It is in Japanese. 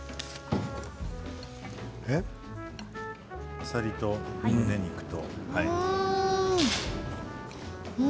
あさりと、むね肉と。